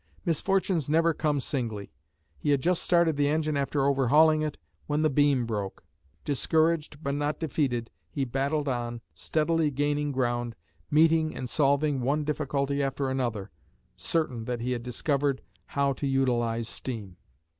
Misfortunes never come singly; he had just started the engine after overhauling it, when the beam broke. Discouraged, but not defeated, he battled on, steadily gaining ground, meeting and solving one difficulty after another, certain that he had discovered how to utilise steam.